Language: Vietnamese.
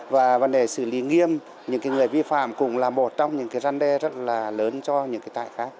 và vấn đề xử lý nghiêm những người vi phạm cũng là một trong những cái răn đe rất là lớn cho những tại khác